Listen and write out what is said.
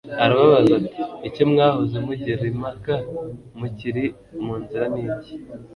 arababaza ati: «Icyo mwahoze mugira impaka mukiri mu nzira ni iki ?»